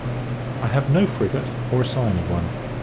I have no frigate, or a sign of one.